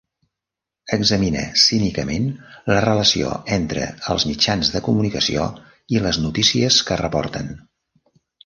Examina cínicament la relació entre els mitjans de comunicació i les notícies que reporten.